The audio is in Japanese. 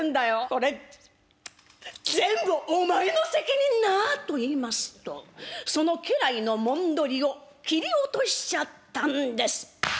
これ全部お前の責任な！」と言いますとその家来のもとどりを切り落としちゃったんです。